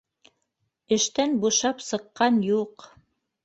Эштән бушап сыҡҡан юҡ